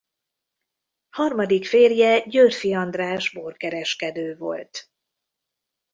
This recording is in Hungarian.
Harmadik férje Győrffy András borkereskedő volt.